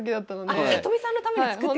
あ里見さんのために作ってくれた。